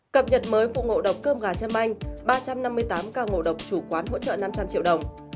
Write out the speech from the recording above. cập nhật mới phụ ngộ độc cơm gà chân manh ba trăm năm mươi tám cao ngộ độc chủ quán hỗ trợ năm trăm linh triệu đồng